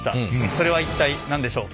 それは一体何でしょう？